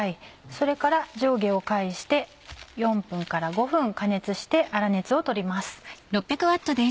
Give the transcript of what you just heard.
それから上下を返して４分から５分加熱して粗熱をとります。